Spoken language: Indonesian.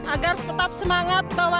agar tetap semangat